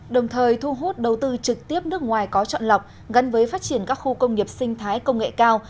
đồng thời thu hút đầu tư trực tiếp nước ngoài có chọn lọc gắn với phát triển các khu công nghiệp sinh thái công nghệ cao